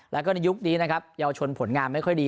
แล้วก็ในยุคนี้นะครับเยาวชนผลงานไม่ค่อยดี